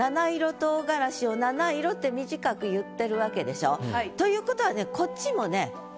唐辛子を「なないろ」って短く言ってるわけでしょ？ということはねこっちもね。